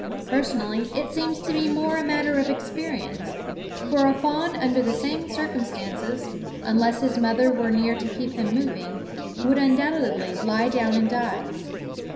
Personally it seems to me more a matter of experience; for a fawn under the same circumstances, unless his mother were near to keep him moving, would undoubtedly lie down and die.